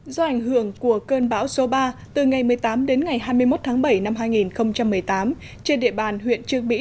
do ảnh hưởng của cơn bão số ba từ ngày một mươi tám đến ngày hai mươi một tháng bảy năm hai nghìn một mươi tám trên địa bàn huyện trương mỹ